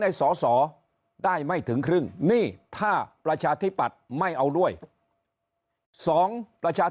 ได้สอสอได้ไม่ถึงครึ่งนี่ถ้าประชาธิปัตย์ไม่เอาด้วยสองประชา